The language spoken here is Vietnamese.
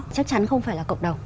chắc chắn không phải là cộng đồng